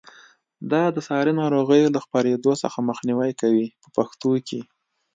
دا د ساري ناروغیو له خپرېدو څخه مخنیوی کوي په پښتو کې.